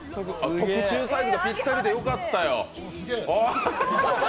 特注サイズがぴったりでよかったよ。